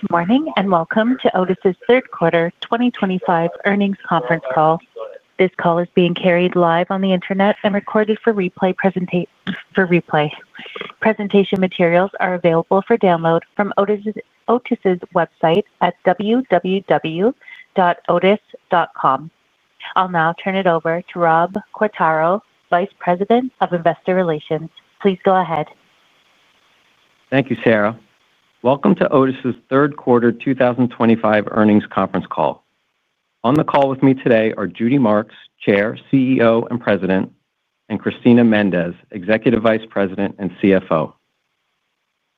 Good morning and welcome to Otis Third Quarter 2025 Earnings Conference Call. This call is being carried live on the Internet and recorded for replay. Presentation for replay. Presentation materials are available for download from the Otis website at www.otis.com. I'll now turn it over to Rob Quartaro, Vice President of Investor Relations. Please go ahead. Thank you, Sarah. Welcome toOtis' Third Quarter 2025 Earnings Conference Call. On the call with me today are Judy Marks, Chair, CEO and President, and Cristina Méndez, Executive Vice President and CFO.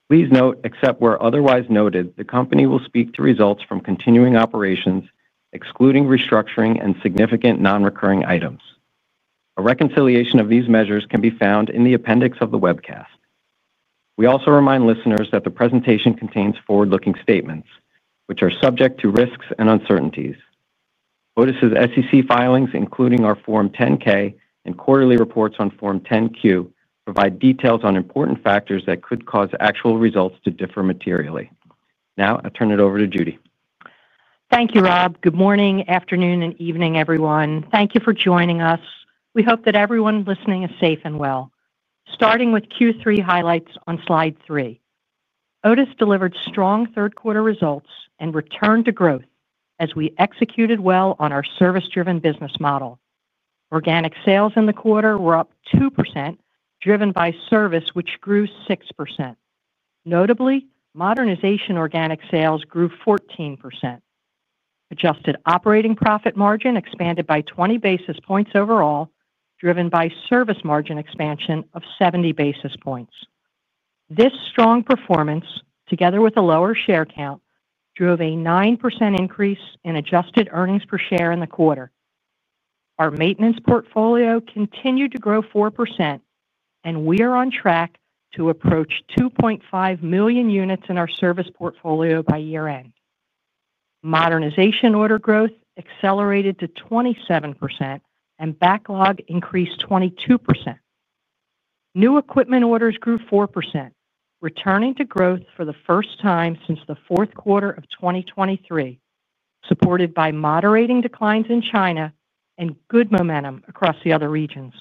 Please note, except where otherwise noted, the company will speak to results from continuing operations excluding restructuring and significant non-recurring items. A reconciliation of these measures can be found in the appendix of the webcast. We also remind listeners that the presentation contains forward-looking statements which are subject to risks and uncertainties. Otis SEC filings, including our Form 10-K and quarterly reports on Form 10-Q, provide details on important factors that could cause actual results to differ materially. Now I'll turn it over to Judy. Thank you, Rob. Good morning, afternoon, and evening, everyone. Thank you for joining us. We hope that everyone listening is safe and well. Starting with Q3 highlights on slide 3, Otis delivered strong third quarter results and returned to growth as we executed well on our service-driven business model. Organic sales in the quarter were up 2%, driven by service, which grew 6%. Notably, modernization organic sales grew 14%. Adjusted operating profit margin expanded by 20 basis points overall, driven by service margin expansion of 70 basis points. This strong performance, together with a lower share count, drove a 9% increase in adjusted earnings per share in the quarter. Our maintenance portfolio continued to grow 4%, and we are on track to approach 2.5 million units in our service portfolio by year end. Modernization order growth accelerated to 27%, and backlog increased 22%. New equipment orders grew 4%, returning to growth for the first time since the fourth quarter of 2023, supported by moderating declines in China and good momentum across the other regions.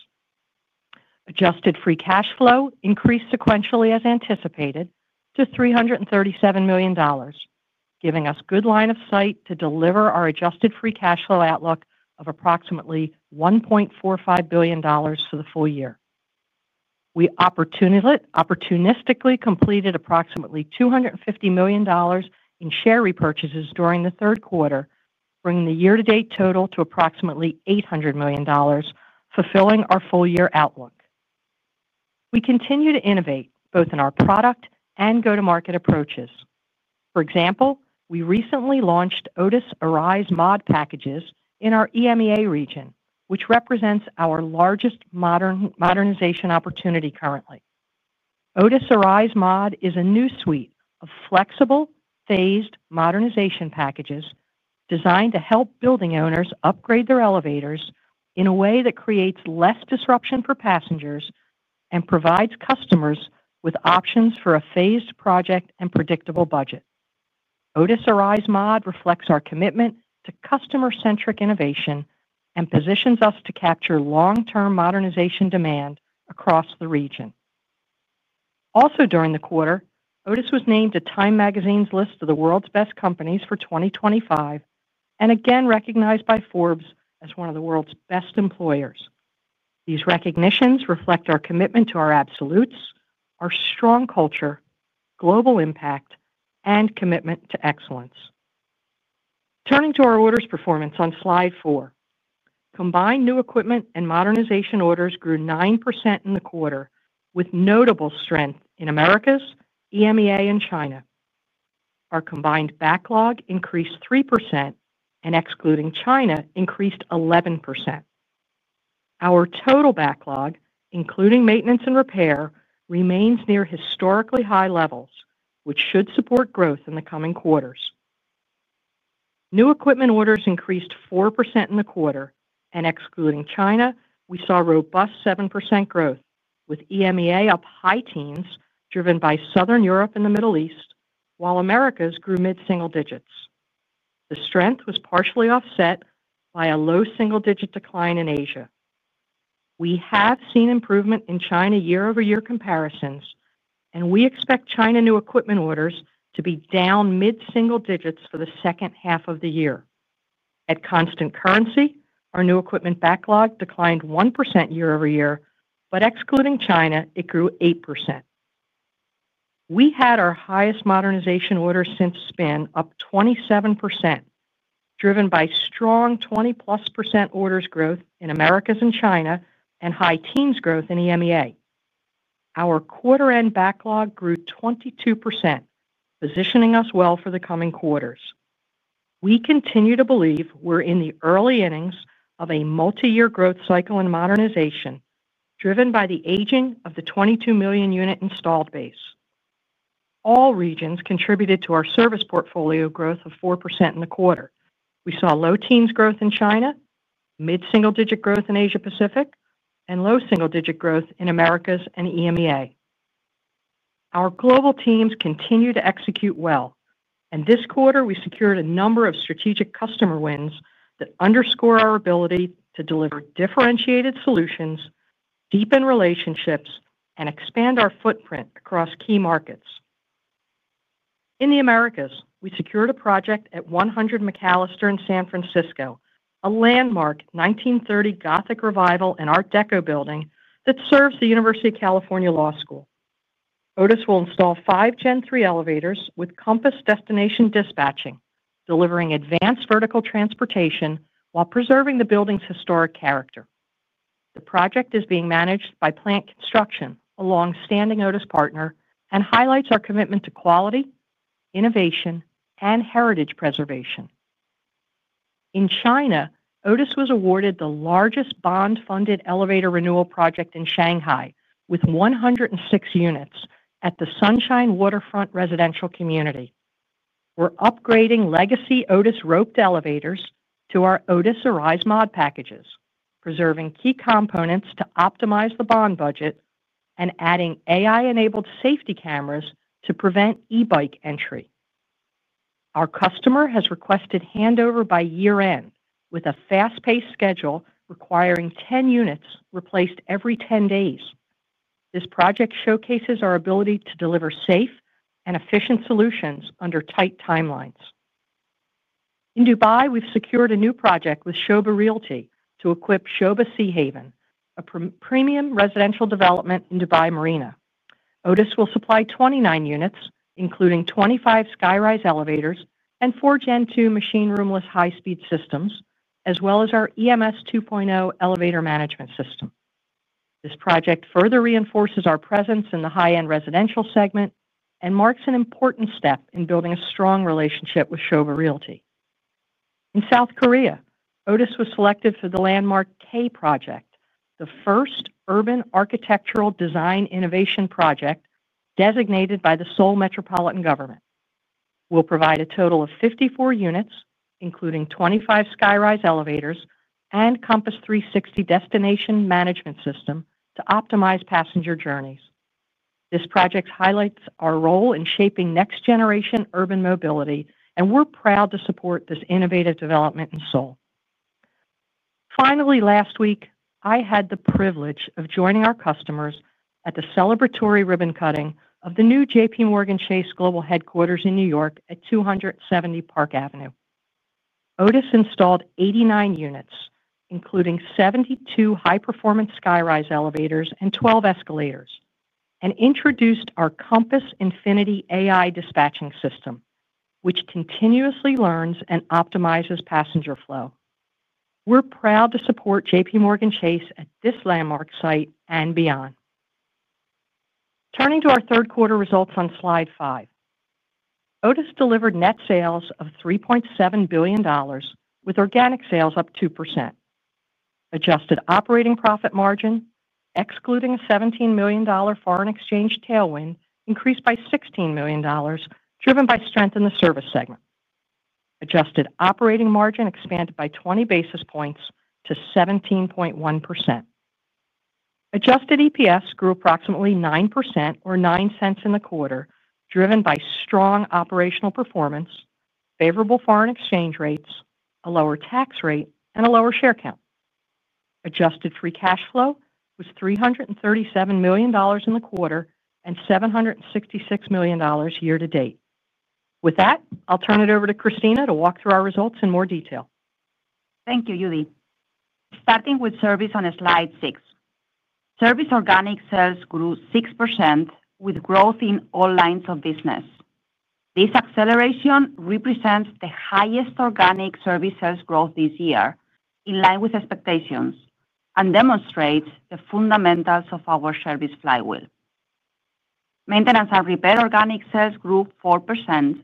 Adjusted free cash flow increased sequentially as anticipated to $337 million, giving us good line of sight to deliver our adjusted free cash flow outlook of approximately $1.45 billion for the full year. We opportunistically completed approximately $250 million in share repurchases during the third quarter, bringing the year-to-date total to approximately $800 million. Fulfilling our full year outlook, we continue to innovate both in our product and go-to-market approaches. For example, we recently launched Otis Arise MOD packages in our EMEA region, which represents our largest modernization opportunity. Currently, Otis Arise MOD is a new suite of flexible, phased modernization packages designed to help building owners upgrade their elevators in a way that creates less disruption for passengers and provides customers with options for a phased project and predictable budget. Otis Arise MOD reflects our commitment to customer-centric innovation and positions us to capture long-term modernization demand across the region. Also during the quarter, Otis was named to TIME magazine's list of the World's Best Companies for 2025 and again recognized by Forbes as one of the World's Best Employers. These recognitions reflect our commitment to our absolutes, our strong culture, global impact, and commitment to excellence. Turning to our orders, performance on Slide 4 combined new equipment and modernization orders grew 9% in the quarter with notable strength in Americas, EMEA, and China. Our combined backlog increased 3%, and excluding China increased 11%. Our total backlog, including maintenance and repair, remains near historically high levels, which should support growth in the coming quarters. New equipment orders increased 4% in the quarter, and excluding China, we saw robust 7% growth with EMEA up high teens driven by Southern Europe and the Middle East, while Americas grew mid single digits. The strength was partially offset by a low single digit decline in Asia. We have seen improvement in China year over year comparisons, and we expect China new equipment orders to be down mid single digits for the second half of the year at constant currency. Our new equipment backlog declined 1% year over year, but excluding China it grew 8%. We had our highest modernization order since spin, up 27%, driven by strong 20+% orders growth in Americas and China and high teens growth in EMEA. Our quarter-end backlog grew 22%, positioning us well for the coming quarters. We continue to believe we're in the early innings of a multi year growth cycle in modernization driven by the aging of the 22 million unit installed base. All regions contributed to our service portfolio growth of 4% in the quarter. We saw low teens growth in China, mid single digit growth in Asia Pacific, and low single digit growth in Americas and EMEA. Our global teams continue to execute well, and this quarter we secured a number of strategic customer wins that underscore our ability to deliver differentiated solutions, deepen relationships, and expand our footprint across key markets. In the Americas, we secured a project at 100 McAllister in San Francisco, a landmark 1930 Gothic Revival and Art Deco building that serves the University of California Law School. Otis will install five Gen3 elevators with Compass Infinity destination dispatching, delivering advanced vertical transportation while preserving the building's historic character. The project is being managed by Plant Construction, a long standing Otis partner, and highlights our commitment to quality, innovation, and heritage preservation. In China, Otis was awarded the largest bond funded elevator renewal project in Shanghai with 106 units at the Sunshine Waterfront residential community. We're upgrading legacy Otis roped elevators to our Otis Arise MOD packages, preserving key components to optimize the bond budget and adding AI-enabled safety cameras to prevent E-bike entry. Our customer has requested handover by year end with a fast-paced schedule requiring 10 units replaced every 10 days. This project showcases our ability to deliver safe and efficient solutions under tight timelines. In Dubai, we've secured a new project with Shobha Realty to equip Shobha Seahaven, a premium residential development in Dubai Marina. Otis will supply 29 units including 25 SkyRise elevators and four Gen2 machine roomless high-speed systems as well as our EMS 2.0 elevator management system. This project further reinforces our presence in the high-end residential segment and marks an important step in building a strong relationship with Shobha Realty. In South Korea, Otis was selected for the Landmark K project, the first urban architectural design innovation project designated by the Seoul Metropolitan Government. We'll provide a total of 54 units including 25 SkyRise elevators and Compass Infinity destination dispatch system to optimize passenger journeys. This project highlights our role in shaping next-generation urban mobility and we're proud to support this innovative development in Seoul. Finally, last week I had the privilege of joining our customers at the celebratory ribbon cutting of the new JPMorgan Chase global headquarters in New York at 270 Park Avenue. Otis installed 89 units including 72 high-performance SkyRise elevators and 12 escalators and introduced our Compass Infinity AI dispatching system which continuously learns and optimizes passenger flow. We're proud to support JPMorgan Chase at this landmark site and beyond. Turning to our third quarter results on Slide 5, Otis delivered net sales of $3.7 billion with organic sales up 2%. Adjusted operating profit margin, excluding a $17 million foreign exchange tailwind, increased by $16 million driven by strength in the service segment. Adjusted operating margin expanded by 20 basis points to 17.1%. Adjusted EPS grew approximately 9% or $0.09 in the quarter, driven by strong operational performance, favorable foreign exchange rates, a lower tax rate, and a lower share count. Adjusted free cash flow was $337 million in the quarter and $766 million year to date. With that, I'll turn it over to Cristina Méndez to walk through our results in more detail. Thank you, Judy. Starting with Service on slide 6, Service organic sales grew 6% with growth in all lines of business. This acceleration represents the highest organic service sales growth this year in line with expectations and demonstrates the fundamentals of our service flywheel. Maintenance and repair organic sales grew 4%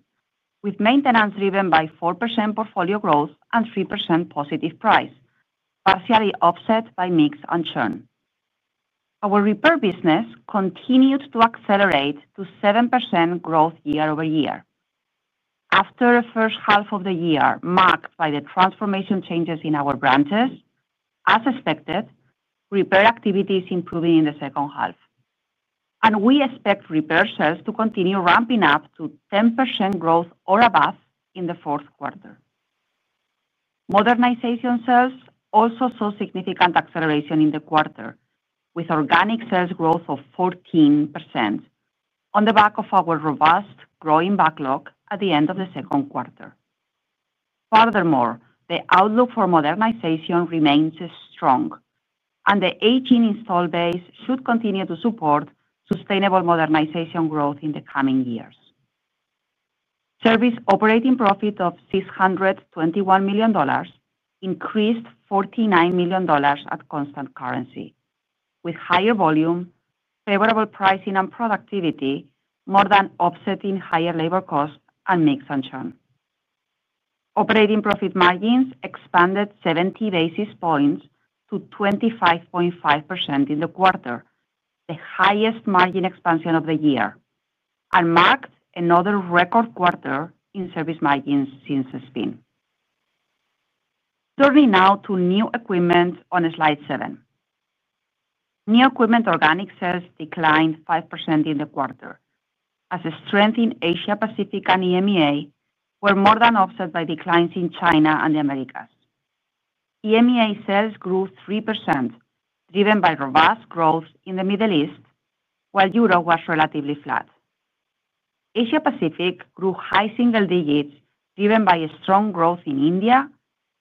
with maintenance driven by 4% portfolio growth and 3% positive price, partially offset by mix and churn. Our repair business continued to accelerate to 7% growth year over year after the first half of the year marked by the transformation changes in our branches. As expected, repair activity is improving in the second half and we expect repair sales to continue ramping up to 10% growth or above in the fourth quarter. Modernization sales also saw significant acceleration in the quarter with organic sales growth of 14% on the back of our robust growing backlog at the end of the second quarter. Furthermore, the outlook for modernization remains strong and the installed base should continue to support sustainable modernization growth in the coming years. Service operating profit of $621 million increased $49 million at constant currency with higher volume, favorable pricing, and productivity more than offsetting higher labor costs and mix and churn. Operating profit margins expanded 70 basis points to 25.5% in the quarter, the highest margin expansion of the year and marked another record quarter in service margins since spin. Turning now to new equipment on slide 7, new equipment organic sales declined 5% in the quarter as the strength in Asia Pacific and EMEA were more than offset by declines in China and the Americas. EMEA sales grew 3% driven by robust growth in the Middle East, while Europe was relatively flat. Asia Pacific grew high single digits driven by strong growth in India,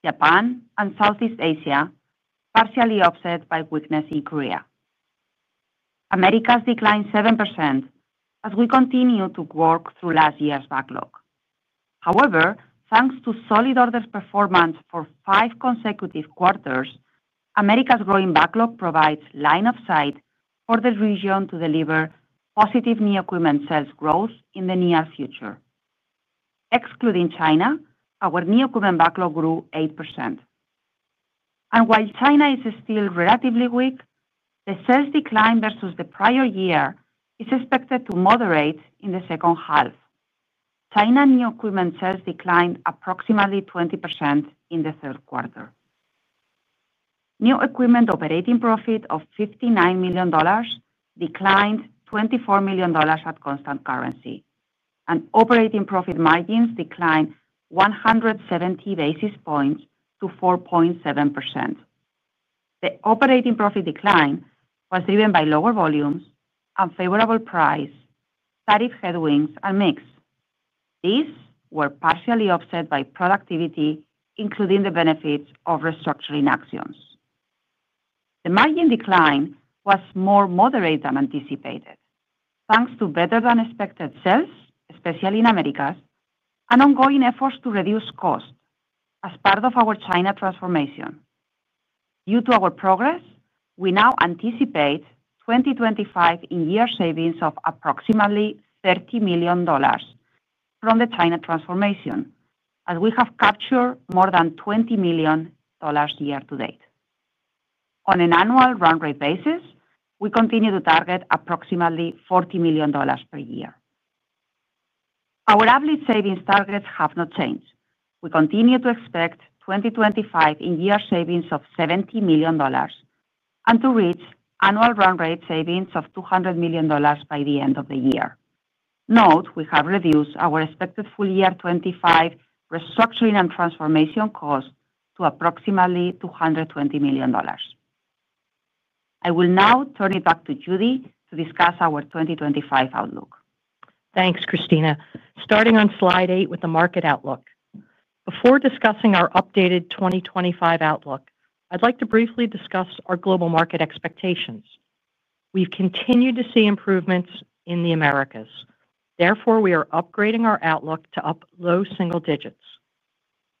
Japan, and Southeast Asia, partially offset by weakness in Korea. Americas declined 7% as we continue to work through last year's backlog. However, thanks to solid orders performance for five consecutive quarters, Americas' growing backlog provides line of sight for the region to deliver positive new equipment sales growth in the near future. Excluding China, our new equipment backlog grew 8% and while China is still relatively weak, the sales decline versus the prior year is expected to moderate in the second half. China new equipment sales declined approximately 20% in the third quarter. New equipment operating profit of $59 million declined $24 million at constant currency, and operating profit margins declined 170 basis points to 4.7%. The operating profit decline was driven by lower volumes, unfavorable price tariff headwinds, and mix. These were partially offset by productivity, including the benefits of restructuring actions. The margin decline was more moderate than anticipated thanks to better than expected sales, especially in Americas, and ongoing efforts to reduce cost as part of our China transformation. Due to our progress, we now anticipate 2025 in-year savings of approximately $30 million from the China transformation, as we have captured more than $20 million year to date. On an annual run rate basis, we continue to target approximately $40 million per year. Our average savings targets have not changed. We continue to expect 2025 in-year savings of $70 million and to reach annual run rate savings of $200 million by the end of the year. Note we have reduced our expected full year 2025 restructuring and transformation cost to approximately $220 million. I will now turn it back to Judy to discuss our 2025 outlook. Thanks, Cristina. Starting on slide 8 with the market outlook, before discussing our updated 2025 outlook, I'd like to briefly discuss our global market expectations. We've continued to see improvements in the Americas, therefore we are upgrading our outlook to up low single digits.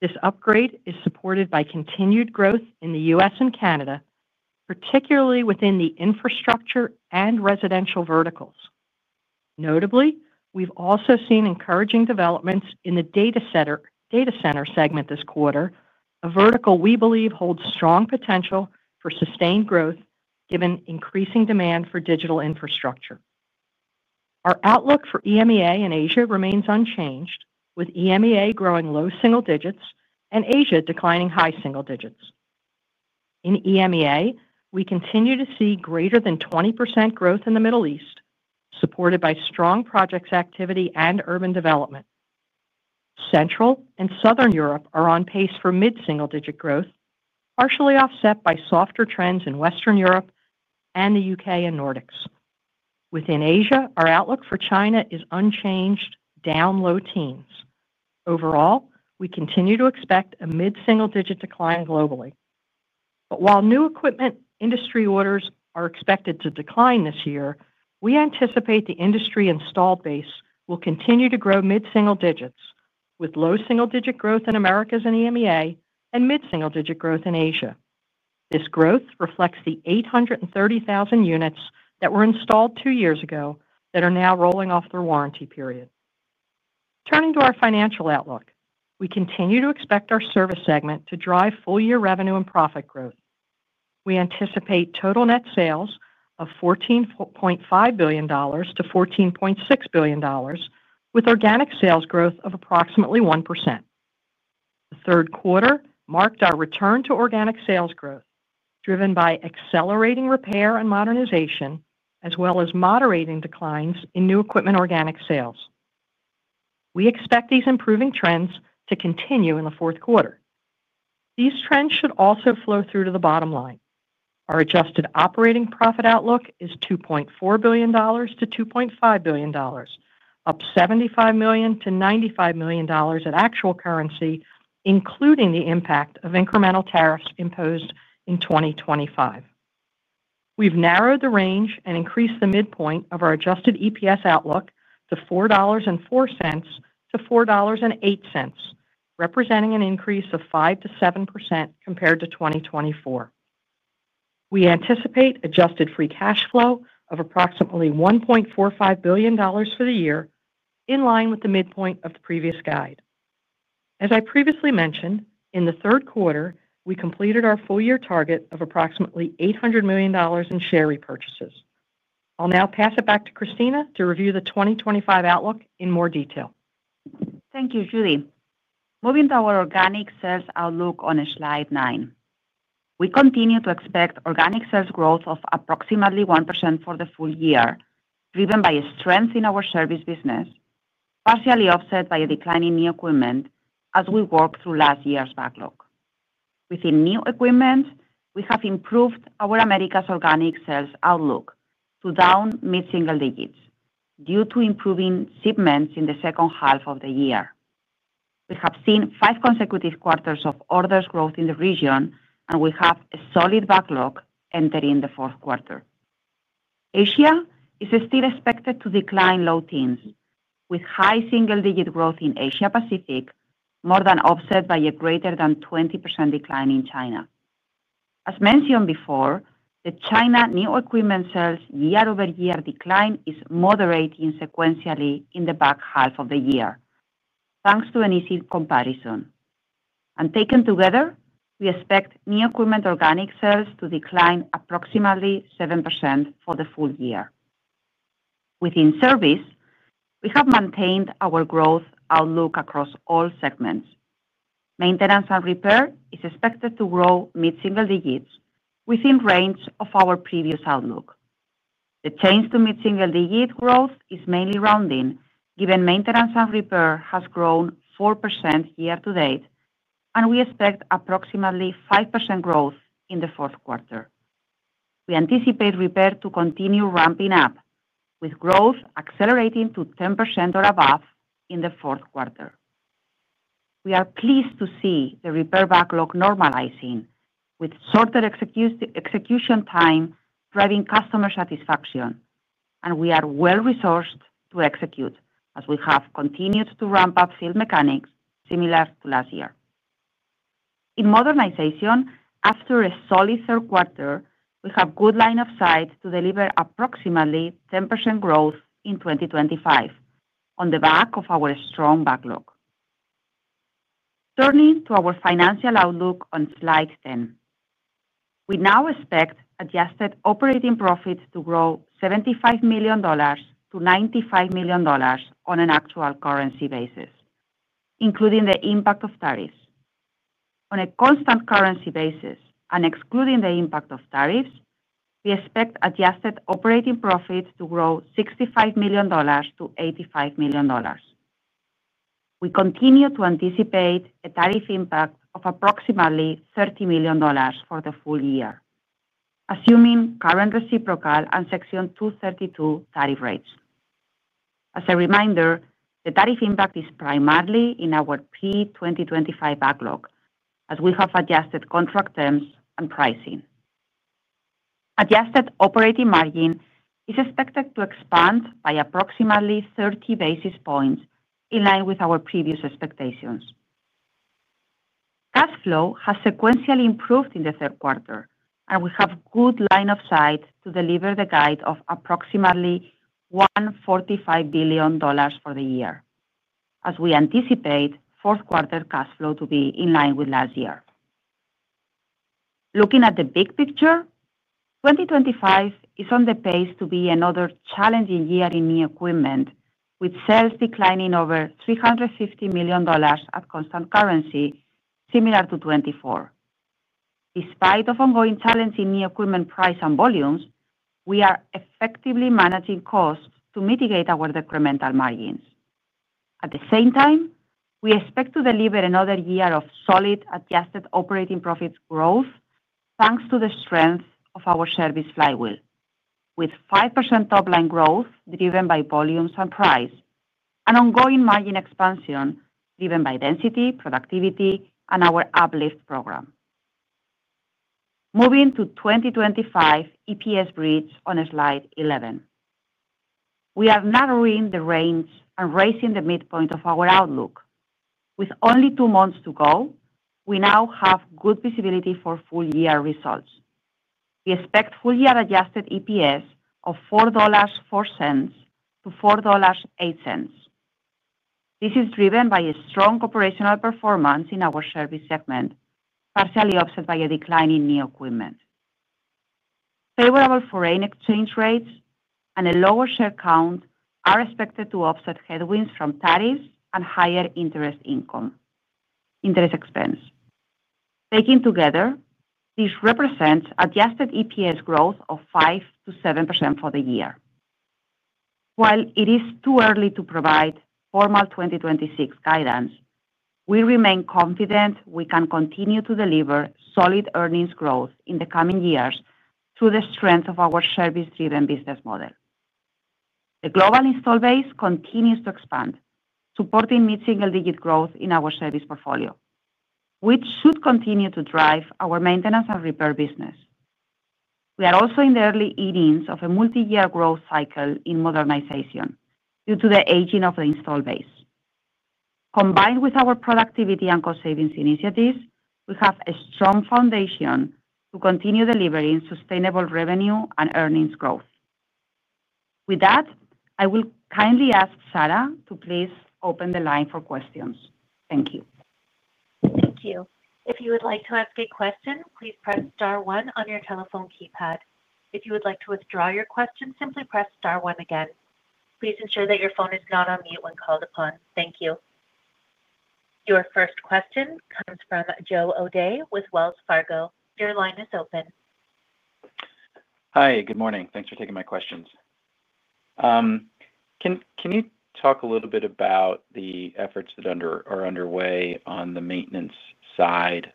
This upgrade is supported by continued growth in the U.S. and Canada, particularly within the infrastructure and residential verticals. Notably, we've also seen encouraging developments in the data center segment this quarter, a vertical we believe holds strong potential for sustained growth given increasing demand for digital infrastructure. Our outlook for EMEA and Asia remains unchanged, with EMEA growing low single digits and Asia declining high single digits. In EMEA, we continue to see greater than 20% growth in the Middle East supported by strong projects activity and urban development. Central and Southern Europe are on pace for mid single digit growth, partially offset by softer trends in Western Europe and the UK and Nordics. Within Asia, our outlook for China is unchanged, down low teens. Overall, we continue to expect a mid single digit decline globally, but while new equipment industry orders are expected to decline this year, we anticipate the industry installed base will continue to grow mid single digits with low single digit growth in Americas and EMEA and mid single digit growth in Asia. This growth reflects the 830,000 units that were installed two years ago that are now rolling off their warranty period. Turning to our financial outlook, we continue to expect our service segment to drive full year revenue and profit growth. We anticipate total net sales of $14.5 billion-$14.6 billion with organic sales growth of approximately 1%. The third quarter marked our return to organic sales growth driven by accelerating repair and modernization as well as moderating declines in new equipment organic sales. We expect these improving trends to continue in the fourth quarter. These trends should also flow through to the bottom line. Our adjusted operating profit outlook is $2.4 billion-$2.5 billion, up $75 million-$95 million at actual currency, including the impact of incremental tariffs imposed in 2025. We've narrowed the range and increased the midpoint of our adjusted EPS outlook to $4.04-$4.08, representing an increase of 5%-7% compared to 2024. We anticipate adjusted free cash flow of approximately $1.45 billion for the year, in line with the midpoint of the previous guide. As I previously mentioned, in the third quarter we completed our full year target of approximately $800 million in share repurchases. I'll now pass it back to Cristina to review the 2025 outlook in more detail. Thank you Judy. Moving to our organic sales outlook on Slide 9, we continue to expect organic sales growth of approximately 1% for the full year, driven by strength in our service business, partially offset by a declining new equipment. As we work through last year's backlog within new equipment, we have improved our Americas organic sales outlook to down mid single digits due to improving shipments in the second half of the year. We have seen five consecutive quarters of orders growth in the region, and we have a solid backlog entering the fourth quarter. Asia is still expected to decline low teens, with high single digit growth in Asia Pacific more than offset by a greater than 20% decline in China. As mentioned before, the China new equipment sales year over year decline is moderating sequentially in the back half of the year thanks to an easy comparison, and taken together, we expect new equipment organic sales to decline approximately 7% for the full year. Within service, we have maintained our growth outlook across all segments. Maintenance and repair is expected to grow mid single digits within range of our previous outlook. The change to mid single digit growth is mainly rounding, given maintenance and repair has grown 4% year to date, and we expect approximately 5% growth in the fourth quarter. We anticipate repair to continue ramping up, with growth accelerating to 10% or above in the fourth quarter. We are pleased to see the repair backlog normalizing, with shorter execution time driving customer satisfaction, and we are well resourced to execute as we have continued to ramp up field mechanics similar to last year. In modernization, after a solid third quarter, we have good line of sight to deliver approximately 10% growth in 2025 on the back of our strong backlog. Turning to our financial outlook on Slide 10, we now expect adjusted operating profit to grow $75 million-$95 million on an actual currency basis, including the impact of tariffs. On a constant currency basis and excluding the impact of tariffs, we expect adjusted operating profit to grow $65 million-$85 million. We continue to anticipate a tariff impact of approximately $30 million for the full year, assuming current reciprocal and Section 232 tariff rates. As a reminder, the tariff impact is primarily in our pre-2025 backlog as we have adjusted contract terms and pricing. Adjusted operating margin is expected to expand by approximately 30 basis points in line with our previous expectations. Cash flow has sequentially improved in the third quarter and we have good line of sight to deliver the guide of approximately $1.45 billion for the year as we anticipate fourth quarter cash flow to be in line with last year. Looking at the big picture, 2025 is on the pace to be another challenging year in new equipment with sales declining over $350 million at constant currency similar to 2024. Despite ongoing challenge in new equipment price and volumes, we are effectively managing costs to mitigate our decremental margins. At the same time, we expect to deliver another year of solid adjusted operating profit growth thanks to the strength of our service flywheel with 5% top line growth driven by volumes and price and ongoing margin expansion driven by density, productivity, and our uplift program. Moving to 2025 EPS bridge on slide 11, we are narrowing the range and raising the midpoint of our outlook. With only two months to go, we now have good visibility for full year results. We expect full year adjusted EPS of $4.04-$4.08. This is driven by a strong operational performance in our service segment partially offset by a decline in new equipment. Favorable foreign exchange rates and a lower share count are expected to offset headwinds from tariffs and higher interest expense. Taken together, this represents adjusted EPS growth of 5%-7% for the year. While it is too early to provide formal 2026 guidance, we remain confident we can continue to deliver solid earnings growth in the coming years through the strength of our service-driven business model. The global install base continues to expand, supporting mid single digit growth in our service portfolio, which should continue to drive our maintenance and repair business. We are also in the early innings of a multi-year growth cycle in modernization. Due to the aging of the installed base combined with our productivity and cost savings initiatives, we have a strong foundation to continue delivering sustainable revenue and earnings growth. With that, I will kindly ask Sara to please open the line for questions. Thank you, thank you. If you would like to ask a question, please press Star one on your telephone keypad. If you would like to withdraw your question, please press Star two. question, simply press Star One again, please. Ensure that your phone is not on mute when called upon. Thank you. Your first question comes from Joe O'Dea with Wells Fargo. Your line is open. Hi, good morning. Thanks for taking my questions. Can you talk a little bit about the efforts that are underway on the maintenance side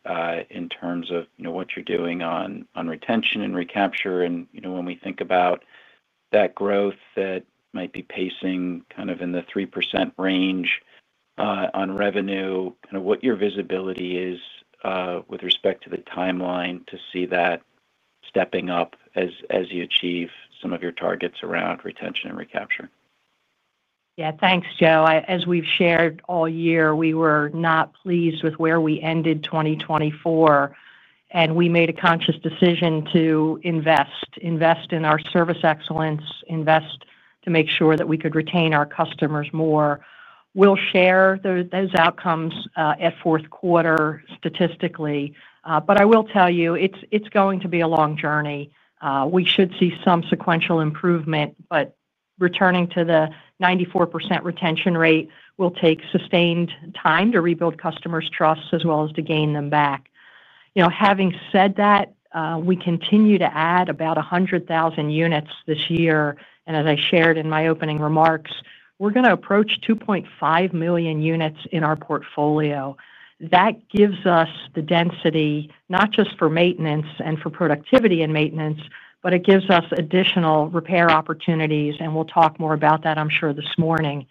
in terms of what you're doing on retention and recapture, and when we think about that growth that might be pacing kind of in the 3% range on revenue, what your visibility is with respect to the timeline to see that stepping up as you achieve some of your targets around retention and recapture. Yeah, thanks, Joe. As we've shared all year, we were not pleased with where we ended 2024, and we made a conscious decision to invest, invest in our service excellence, invest to make sure that we could retain our customers more. We'll share those outcomes at fourth quarter statistically. I will tell you it's going to be a long journey. We should see some sequential improvement. Returning to the 94% retention rate will take sustained time to rebuild customers' trust as well as to gain them back. Having said that, we continue to add about 100,000 units this year, and as I shared in my opening remarks, we're going to approach 2.5 million units in our portfolio. That gives us the density not just for maintenance and for productivity in maintenance, but it gives us additional repair opportunities. We'll talk more about that, I'm sure, this morning.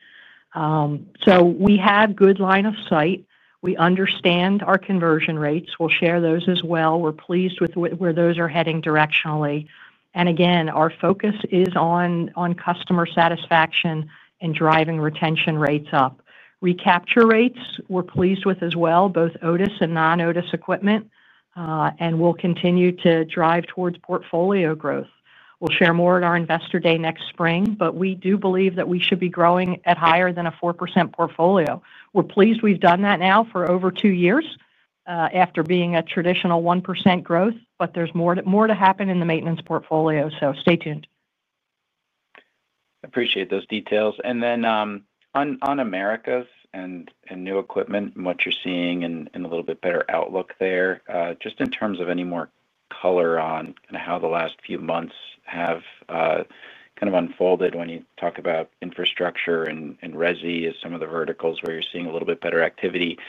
We have good line of sight. We understand our conversion rates. We'll share those as well. We're pleased with where those are heading directionally, and again our focus is on customer satisfaction and driving retention rates up. Recapture rates we're pleased with as well, both Otis and non-Otis equipment. We'll continue to drive towards portfolio growth. We'll share more at our investor day next spring. We do believe that we should be growing at higher than a 4% portfolio. We're pleased, we've done that now for over two years after being a traditional 1% growth. There's more to happen in the maintenance portfolio. Stay tuned. Appreciate those details. On Americas and new equipment and what you're seeing and a little bit better outlook there, just in terms of any more color on how the last few months have kind of unfolded. When you talk about infrastructure and resi as some of the verticals where you're seeing a little bit better activity,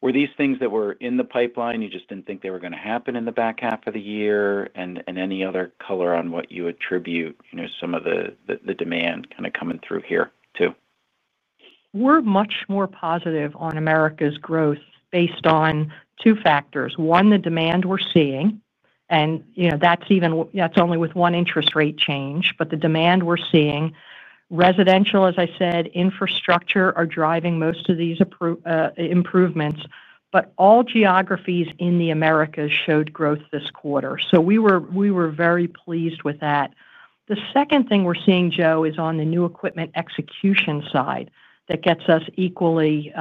were these things that were in the pipeline, you just didn't think they were going to happen in the back half of the year? Any other color on what you attribute some of the demand kind of coming through here to? We're much more positive on Americas growth based on two factors. One, the demand we're seeing and that's only with one interest rate change. The demand we're seeing, residential, as I said, infrastructure are driving most of these improvements. All geographies in the Americas showed growth this quarter. We were very pleased with that. The second thing we're seeing, Joe, is on the new equipment execution side. That gets us equally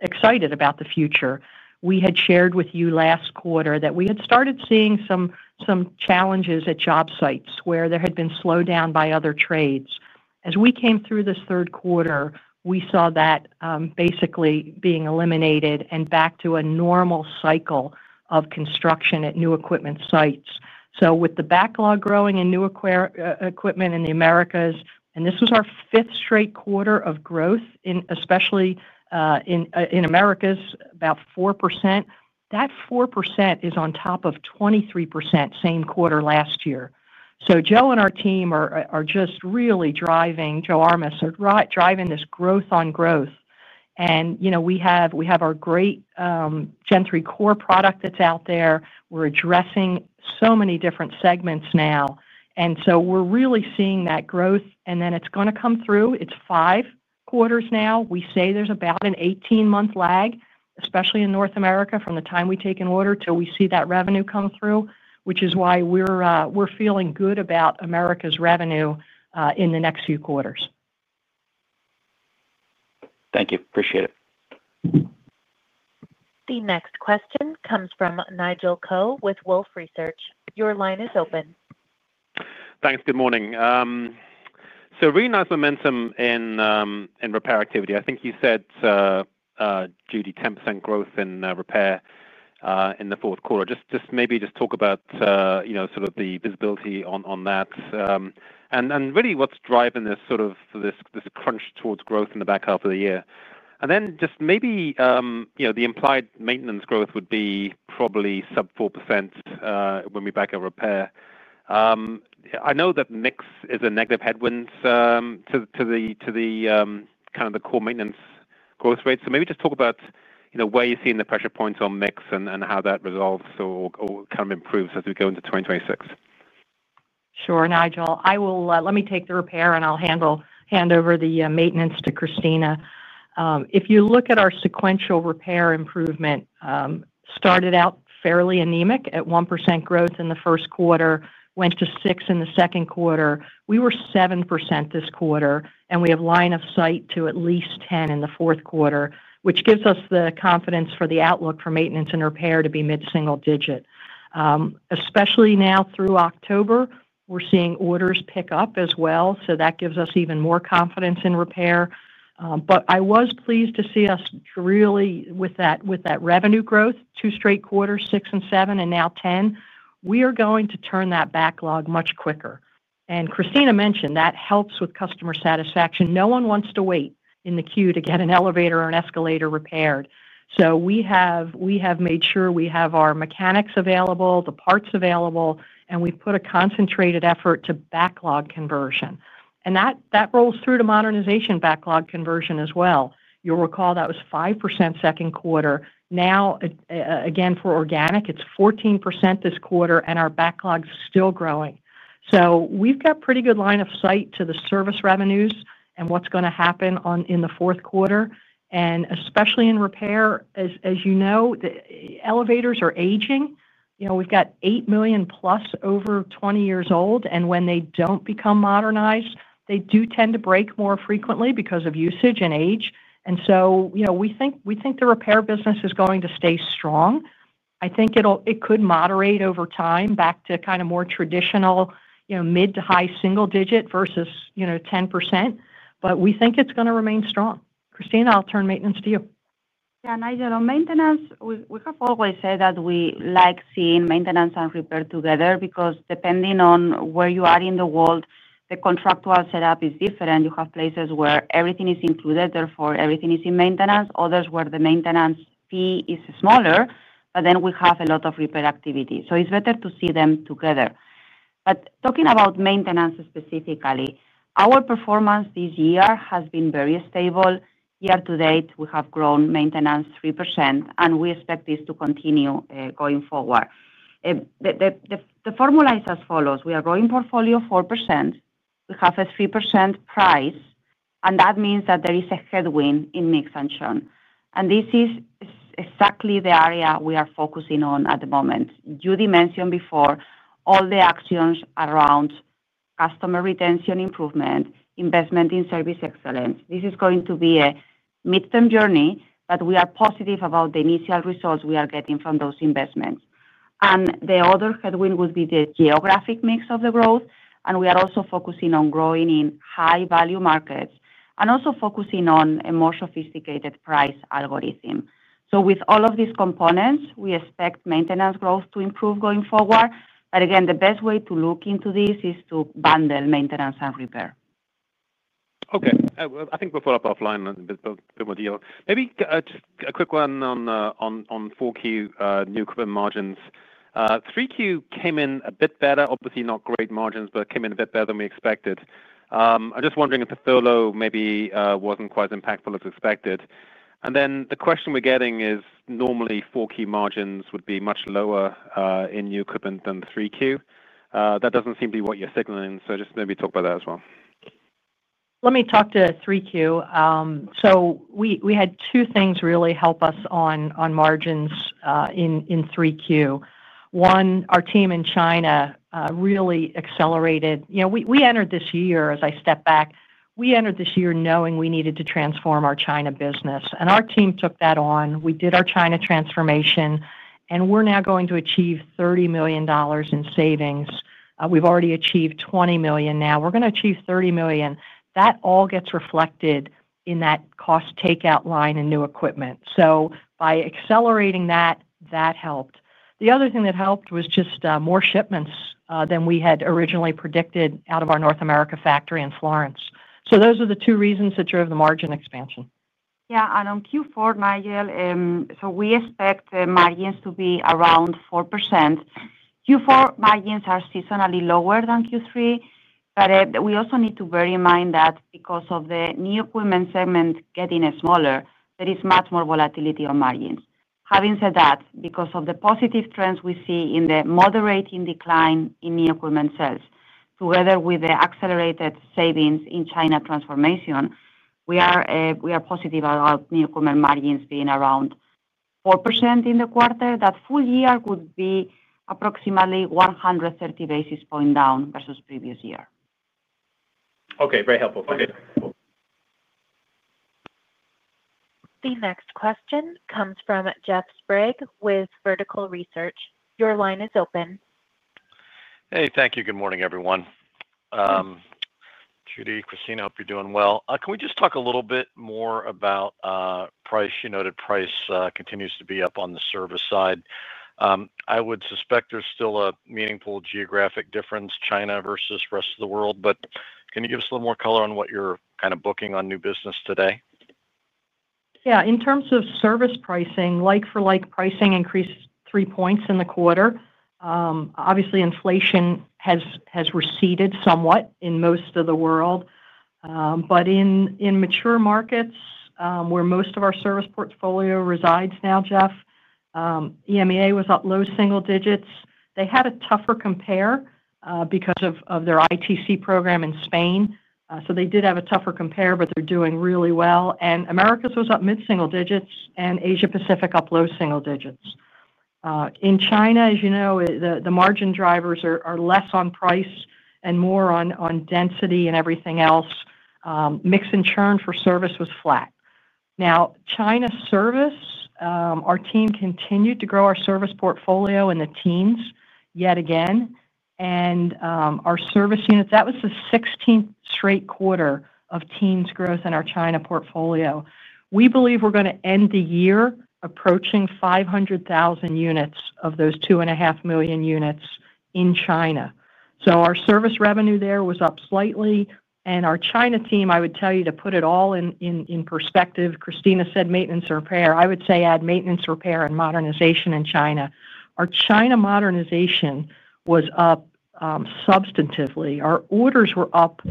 excited about the future. We had shared with you last quarter that we had started seeing some challenges at job sites where there had been slowed down by other trades. As we came through this third quarter, we saw that basically being eliminated and back to a normal cycle of construction at new equipment sites. With the backlog growing in new equipment in the Americas, this was our fifth straight quarter of growth, especially in Americas, about 4%. That 4% is on top of 23% same quarter last year. Joe and our team are just really driving, Joe Armis are driving this growth on growth and we have our great Gen3 elevator core product that's out there. We're addressing so many different segments now and we're really seeing that growth and then it's going to come through. It's five quarters now. We say there's about an 18 month lag, especially in North America, from the time we take an order till we see that revenue come through. Which is why we're feeling good about Americas revenue in the next few quarters. Thank you. Appreciate it. The next question comes from Nigel Coe with Wolfe Research. Your line is open. Thanks. Good morning. Really nice momentum in repair activity. I think you said, Judy, 10% growth in repair in the fourth quarter. Maybe just talk about the visibility on that and what's driving this crunch towards growth in the back half of the year. Maybe, you know, the implied maintenance growth would be probably sub 4% when we back out repair. I know that mix is a negative headwind to the core maintenance growth rate. Maybe just talk about where you see the pressure points on mix and how that resolves or improves as we go into 2026. Sure, Nigel, let me take the repair and I'll hand over the maintenance to Cristina. If you look at our sequential repair improvement, it started out fairly anemic at 1% growth in the first quarter, went to 6% in the second quarter. We were 7% this quarter and we have line of sight to at least 10% in the fourth quarter, which gives us the confidence for the outlook for maintenance and repair to be mid single digit. Especially now through October, we're seeing orders pick up as well. That gives us even more confidence in repair. I was pleased to see us really with that revenue growth two straight quarters, 6% and 7% and now 10%. We are going to turn that backlog much quicker. Cristina mentioned that helps with customer satisfaction. No one wants to wait in the queue to get an elevator or an escalator repaired. We have made sure we have our mechanics available, the parts available, and we put a concentrated effort to backlog conversion and that rolls through to modernization backlog conversion as well. You'll recall that was 5% second quarter. Now again for organic, it's 14% this quarter and our backlog is still growing. We've got pretty good line of sight to the service revenues and what's going to happen in the fourth quarter, especially in repair. As you know, the elevators are aging. We've got 8 million-plus over 20 years old and when they don't become modernized, they do tend to break more frequently because of usage and age. We think the repair business is going to stay strong. I think it could moderate over time back to kind of more traditional, mid to high single digit versus 10%. We think it's going to remain strong. Cristina, I'll turn maintenance to you. On maintenance, we have always said that we like seeing maintenance and repair together because depending on where you are in the world, the contractual setup is different. You have places where everything is included, therefore everything is in maintenance. Others where the maintenance fee is smaller, but then we have a lot of reproductivity, so it's better to see them together. Talking about maintenance specifically, our performance this year has been very stable. Year to date, we have grown maintenance 3% and we expect this to continue going forward. The formula is as follows: we are growing portfolio 4%, we have a 3% price, and that means that there is a headwind in mix and churn. This is exactly the area we are focusing on at the moment. Judy mentioned before all the actions around customer retention improvement, investment in service excellence. This is going to be a midterm journey. We are positive about the initial results we are getting from those investments. The other headwind would be the geographic mix of the growth. We are also focusing on growing in high value markets and also focusing on a more sophisticated price algorithm. With all of these components, we expect maintenance growth to improve going forward. Again, the best way to look into this is to bundle maintenance and repair. Okay, I think we'll follow up offline in a bit more detail. Maybe just a quick one on 4Q new margins. 3Q came in a bit better. Obviously not great margins, but came in a bit better than we expected. I'm just wondering if the furlough maybe wasn't quite as impactful as expected. The question we're getting is normally 4Q margins would be much lower in new equipment than 3Q. That doesn't seem to be what you're signaling, so just maybe talk about that as well. Let me talk to 3Q. We had two things really help us on margins in 3Q. One, our team in China really accelerated. We entered this year, as I step back, we entered this year knowing we needed to transform our China business. Our team took that on. We did our China transformation, and we're now going to achieve $30 million in savings. We've already achieved $20 million. Now we're going to achieve $30 million. That all gets reflected in that cost takeout line in new equipment. By accelerating that, that helped. The other thing that helped was just more shipments than we had originally predicted out of our North America factory in Florence. Those are the two reasons that drove the margin expansion. Yeah. On Q4, Nigel, we expect margins to be around 4%. Q4 margins are seasonally lower than Q3, but we also need to bear in mind that because of the new equipment segment getting smaller, there is much more volatility on margins. Having said that, because of the positive trends we see in the moderating decline in new equipment sales, together with the accelerated savings in China transformation, we are positive about newcomer margins being around 4% in the quarter. That full year would be approximately 130 basis points down versus previous year. Okay, very helpful. The next question comes from Jeffrey Sprague with Vertical Research. Your line is open. Hey. Thank you. Good morning, everyone. Judy, Cristina. Hope you're doing well. Can we just talk a little bit more about price? You noted price continues to be up on the service side. I would suspect there's still a meaningful geographic difference, China versus rest of the world. Can you give us a little more color on what you're kind of booking on new business today? Yeah. In terms of service pricing, like-for-like pricing increased throughout 3 points in the quarter. Obviously, inflation has receded somewhat in most of the world. In mature markets where most of our service portfolio resides now, Jeff EMEA was up low single digits. They had a tougher compare because of their ITC program in Spain. They did have a tougher compare, but they're doing really well. Americas was up mid single digits and Asia Pacific up low single digits in China. As you know, the margin drivers are less on price and more on density and everything else. Mix and churn for service was flat. China service, our team continued to grow our service portfolio in the teens yet again and our service units, that was the 16th straight quarter of teens growth in our China portfolio. We believe we're going to end the year approaching 500,000 units of those 2.5 million units in China. Our service revenue there was up slightly and our China team, I would tell you to put it all in perspective, Cristina Méndez said maintenance, repair, I would say add maintenance, repair and modernization in China. Our China modernization was up substantively, our orders were up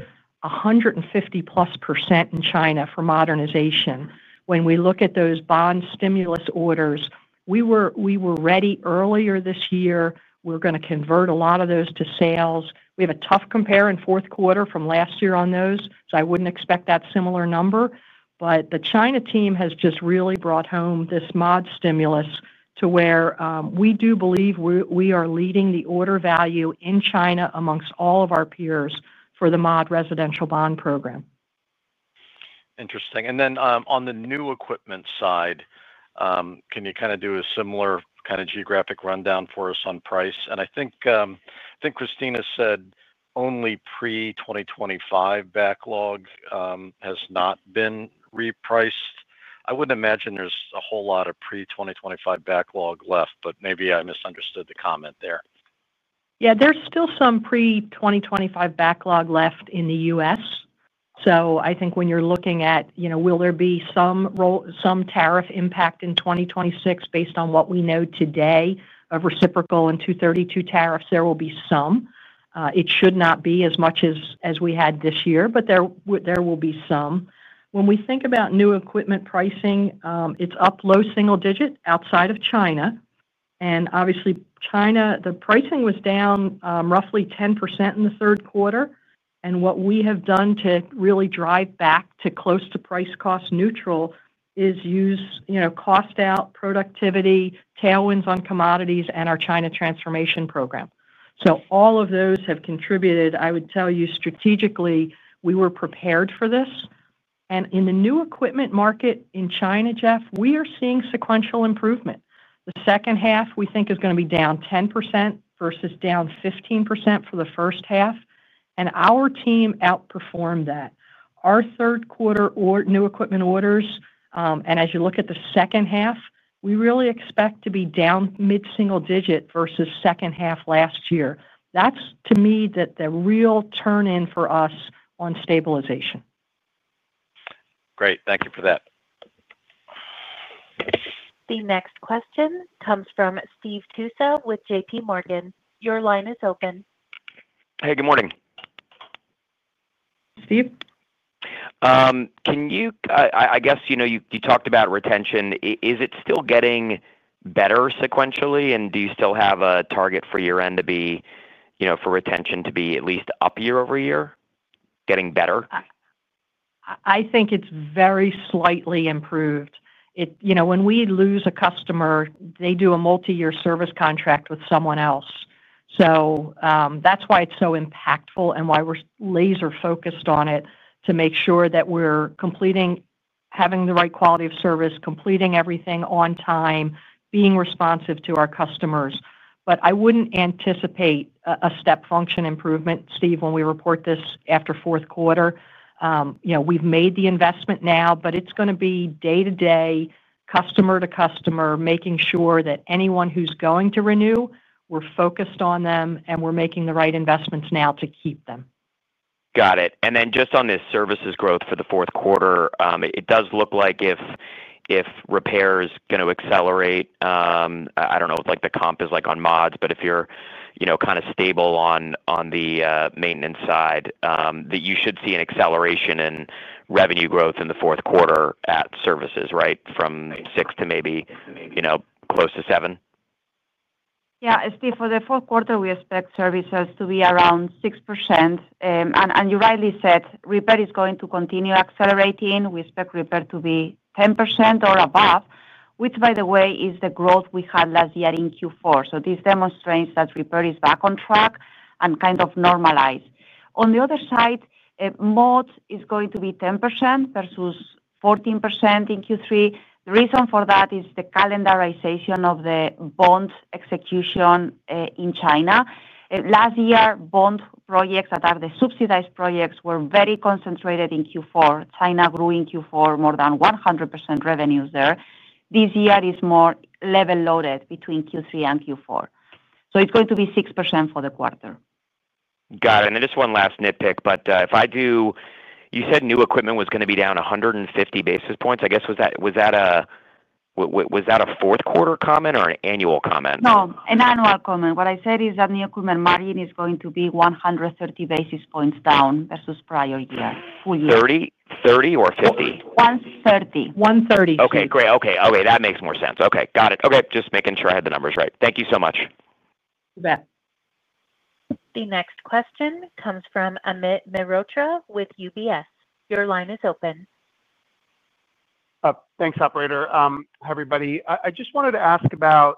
150+% in China for modernization. When we look at those bond stimulus orders we were ready earlier this year, we're going to convert a lot of those to sales. We have a tough compare in fourth quarter from last year on those. I wouldn't expect that similar number. The China team has just really brought home this mod stimulus to where we do believe we are leading the order value in China amongst all of our peers for the mod residential bond program. Interesting. On the new equipment side, can you kind of do a similar kind of geographic rundown for us on price? I think Cristina Méndez said only pre-2025 backlog has not been repriced. I wouldn't imagine there's a whole lot of pre-2025 backlog left. Maybe I misunderstood the comment there. Yeah, there's still some pre-2025 backlog left in the U.S., so I think when you're looking at will there be some tariff impact in 2026 based on what we know today of reciprocal and 232 tariffs, there will be some. It should not be as much as we had this year, but there will be some. When we think about new equipment pricing, it's up low single digit. Outside of China, and obviously China, the pricing was down roughly 10% in the third quarter. What we have done to really drive back to close to price-cost neutral is use cost-out productivity tailwinds on commodities and our China transformation program. All of those have contributed. I would tell you strategically we were prepared for this. In the new equipment market in China, Jeff, we are seeing sequential improvement. The second half we think is going to be down 10% versus down 15% for the first half, and our team outperformed that. Our third quarter new equipment orders, and as you look at the second half, we really expect to be down mid single digit versus second half last year. That's, to me, the real turn in for us on stabilization. Great, thank you for that. The next question comes from Steve Tusa with JPMorgan Chase. Your line is open. Hey, good morning Steve. Can you, I guess you know you talked about retention. Is it still getting better sequentially, and do you still have a target for year end to be, you know, for retention to be at least up year over year, getting better? I think it's very slightly improved. You know, when we lose a customer, they do a multi-year service contract with someone else. That's why it's so impactful and why we're laser focused on it, to make sure that we're completing, having the right quality of service, completing everything on time, being responsive to our customers. I wouldn't anticipate a step function improvement. Steve, when we report this after fourth quarter, we've made the investment now, but it's going to be day to day, customer to customer, making sure that anyone who's going to renew, we're focused on them and we're making the right investments now to keep them. Got it. Just on this services growth for the fourth quarter, it does look like if repair is going to accelerate. I don't know what the comp is like on mods, but if you're kind of stable on the maintenance side, you should see an acceleration in revenue growth in the fourth quarter at services, right from 6% to maybe close to 7%. Yeah Steve, for the fourth quarter we expect services to be around 6%. You rightly said repair is going to continue accelerating. We expect repair to be 10% or above, which by the way is the growth we had last year in Q4. This demonstrates that repair is back on track and kind of normalized. On the other side, MOD is going to be 10% versus 14% in Q3. The reason for that is the calendarization of the bond execution in China. Last year, bond projects that are the subsidized projects were very concentrated in Q4. China grew in Q4 more than 100% revenues there. This year is more level loaded between Q3 and Q4. It's going to be 6% for the quarter. Got it. Just one last nitpick, but if I do, you said new equipment was going to be down 150 basis points. Was that a fourth quarter comment or an annual comment? No, an annual comment. What I said is that the equipment margin is going to be 130 basis points down versus prior year. 30. 30 or 51? 30. 130. Okay, great. Okay, that makes more sense. Okay, got it. Just making sure I had the numbers right. Thank you so much. You bet. The next question comes from Amit Mehrotra with UBS. Your line is open. Thanks, operator. Everybody, I just wanted to ask about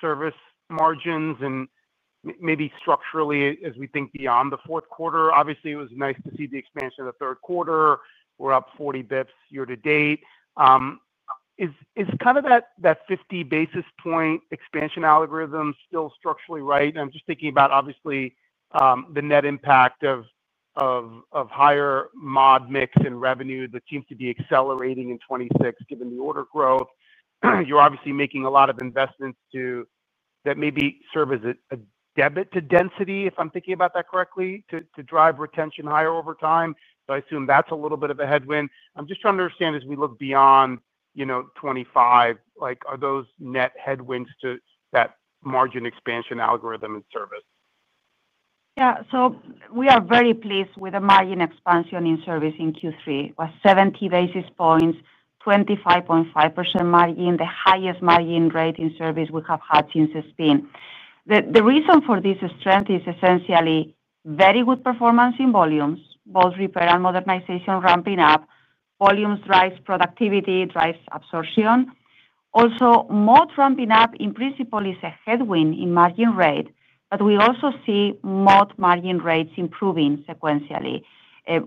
service margins and maybe structurally as we think beyond the fourth quarter. Obviously, it was nice to see the expansion of the third quarter. We're up 40 bps year to date. Is kind of that 50 basis point expansion algorithm still structurally right? I'm just thinking about obviously the net impact of higher mod mix and revenue that seems to be accelerating in 2026 given the order growth. You're obviously making a lot of investments to that maybe serve as a debit to density, if I'm thinking about that correctly, to drive retention higher over time. I assume that's a little bit of a headwind. I'm just trying to understand as we look beyond, you know, 2025, like are those net headwinds to that margin expansion algorithm in service? Yeah. We are very pleased with the margin expansion in service in Q3, which was 70 basis points, 25.5% margin, the highest margin rate in service we have had since spin. The reason for this strength is essentially very good performance in volumes, both repair and modernization. Ramping up volumes drives productivity and drives absorption. Also, mod ramping up in principle is a headwind in margin rate, but we also see mod margin rates improving sequentially.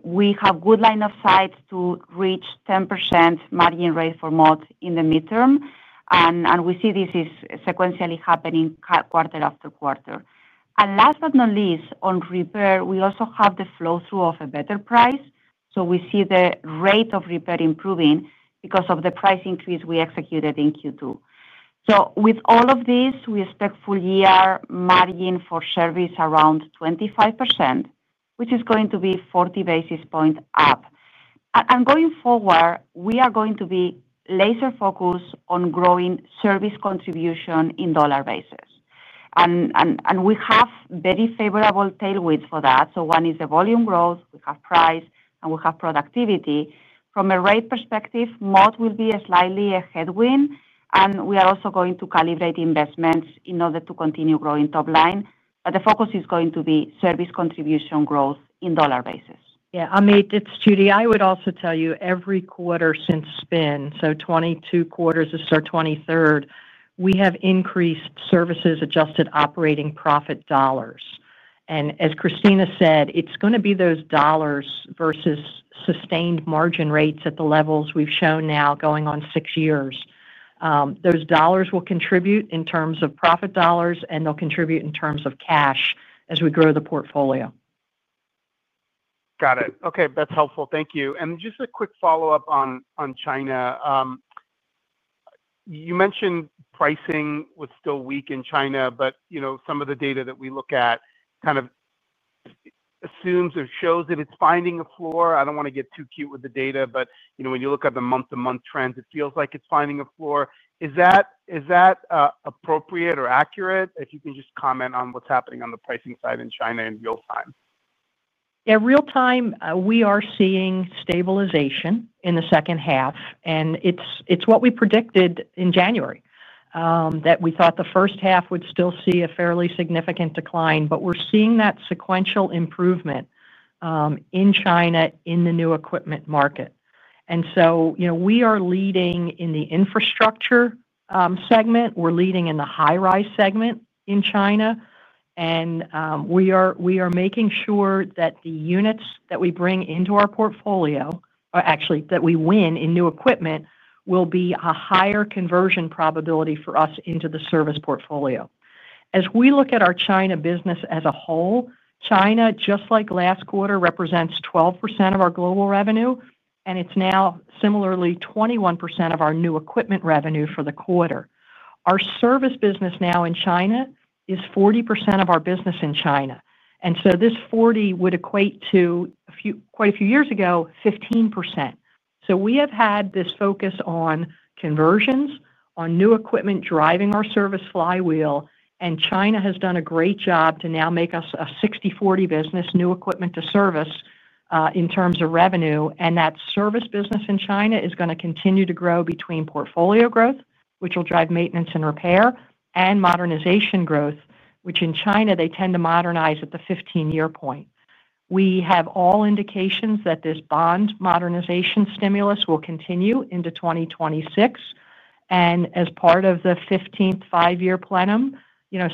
We have good line of sight to reach 10% margin rate for mod in the midterm. We see this is sequentially happening quarter after quarter. Last but not least, on repair, we also have the flow through of a better price. We see the rate of repair improving because of the price increase we executed in Q2. With all of these, we expect full year margin for service around 25%, which is going to be 40 basis points up. Going forward, we are going to be laser focused on growing service contribution in dollar basis and we have very favorable tailwinds for that. One is the volume growth. We have price and we have productivity. From a rate perspective, mod will be slightly a headwind. We are also going to calibrate investments in order to continue growing top line. The focus is going to be service contribution growth in dollar basis. Yeah, Amit, it's Judy. I would also tell you every quarter since spin, so 2022 Q4, this is our 23rd, we have increased services, adjusted operating profit dollars, and as Cristina said, it's going to be those dollars versus sustained margin rates at the levels we've shown now going on six years. Those dollars will contribute in terms of profit dollars, and they'll contribute in terms of cash as we grow the portfolio. Got it. Okay, that's helpful, thank you. Just a quick follow up on China. You mentioned pricing was still weak in China, but some of the data that we look at kind of assumes or shows that it's finding a floor. I don't want to get too cute with the data, but when you look at the month to month trends, it feels like it's finding a floor. Is that appropriate or accurate? If you can just comment on what's happening on the pricing side in China in real time. Real time. We are seeing stabilization in the second half, and it's what we predicted in January that we thought the first half would still see a fairly significant decline. We're seeing that sequential improvement in China in the new equipment market. We are leading in the infrastructure segment, we're leading in the high rise segment in China, and we are making sure that the units that we bring into our portfolio, actually that we win in new equipment, will be a higher conversion probability for us into the service portfolio. As we look at our China business as a whole, China, just like last quarter, represents 12% of our global revenue, and it's now similarly 21% of our new equipment revenue for the quarter. Our service business now in China is 40% of our business in China, and this 40% would equate to quite a few years ago 15%. We have had this focus on conversions, on new equipment driving our service flywheel, and China has done a great job to now make us a 60/40 business, new equipment to service in terms of revenue. That service business in China is going to continue to grow between portfolio growth, which will drive maintenance and repair, and modernization growth, which in China they tend to modernize at the 15 year point. We have all indications that this bond modernization stimulus will continue into 2026, and as part of the 15th Five Year Plenum.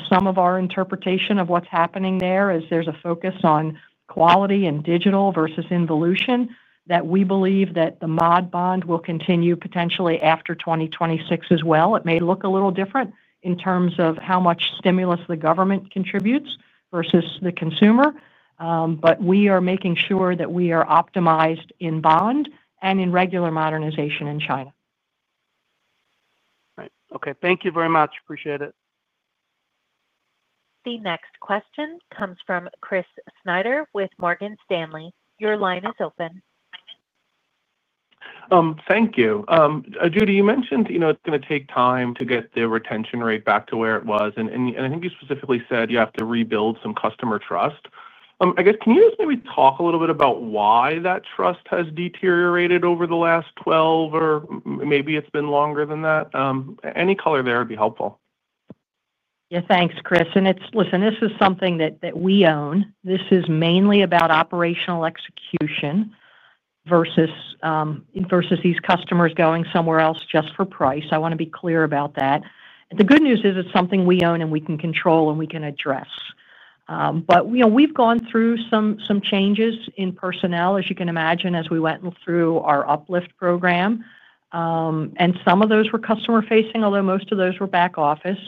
Some of our interpretation of what's happening there is, there's a focus on quality and digital versus involution, and we believe that the mod bond will continue potentially after 2026 as well. It may look a little different in terms of how much stimulus the government contributes versus the consumer, but we are making sure that we are optimized in bond and in regular modernization in China. Okay, thank you very much. Appreciate it. The next question comes from Chris Snyder with Morgan Stanley. Your line is open. Thank you. Judy, you mentioned it's going to take time to get the retention rate back to where it was. I think you specifically said you have to rebuild some customer trust. Can you just maybe talk? A little bit about why that trust has deteriorated over the last 12 or maybe it's been longer than that. Any color there would be helpful. Yeah, thanks, Chris. This is something that we own. This is mainly about operational execution versus these customers going somewhere else just for price. I want to be clear about that. The good news is it's something we own and we can control and we can address. We've gone through some changes in personnel, as you can imagine, as we went through our uplift program. Some of those were customer facing, although most of those were back office.